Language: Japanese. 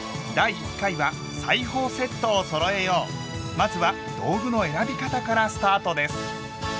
まずは道具の選び方からスタートです。